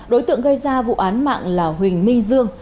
đối tượng gây ra vụ án mạng là huỳnh minh dương